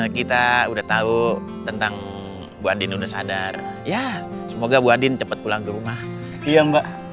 kita udah tahu tentang bu andin sudah sadar ya semoga bu andin cepet pulang ke rumah iya mbak